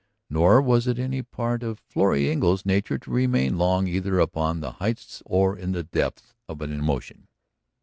Nor was it any part of Florrie Engle's nature to remain long either upon the heights or in the depths of an emotion.